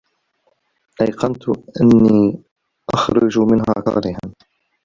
أَيْقَنْت أَنِّي أَخْرُجُ مِنْهَا كَارِهًا